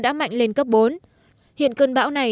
đã mạnh lên cấp bốn hiện cơn bão này